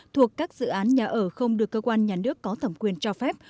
thuộc các dự án nhà ở không được cơ quan nhà nước có thẩm quyền cho phép